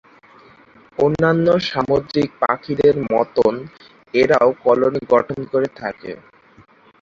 অন্যান্য সামুদ্রিক পাখিদের মতোন এরাও কলোনি গঠন করে থাকে।